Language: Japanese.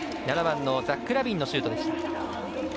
７番のザック・ラビンのシュートでした。